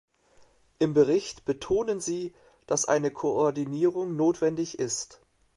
Im Bericht betonen Sie, dass eine Koordinierung notwendig ist.